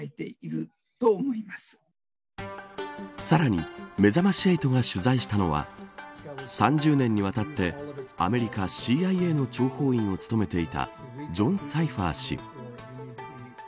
さらにめざまし８が取材したのは３０年にわたってアメリカＣＩＡの諜報員を務めていたジョン・サイファー氏。